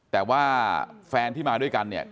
แต่ว่าแฟนที่มาด้วยกันเนี่ย